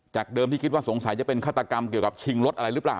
เดิมที่คิดว่าสงสัยจะเป็นฆาตกรรมเกี่ยวกับชิงรถอะไรหรือเปล่า